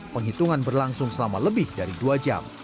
penghitungan berlangsung selama lebih dari dua jam